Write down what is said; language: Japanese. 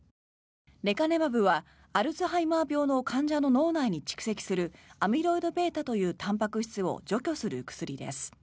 レカネマブはアルツハイマー病の患者の脳内に蓄積するアミロイドβというたんぱく質を除去する薬です。